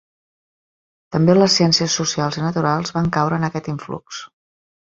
També les ciències socials i naturals van caure en aquest influx.